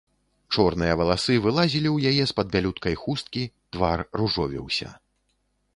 Чорныя валасы вылазілі ў яе з-пад бялюткай хусткі, твар ружовіўся.